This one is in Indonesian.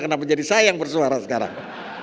kenapa jadi saya yang bersuara sekarang